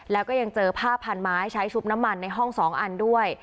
แล้วก็ยังเจอผ้าพันไม้ใช้ชุบน้ำมันในห้อง๒อันด้วย